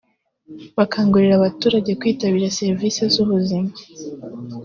gukangurira abaturage kwitabira serivisi z’ubuzima